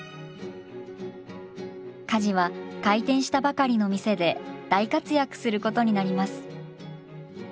カジは開店したばかりの店で大活躍することになります。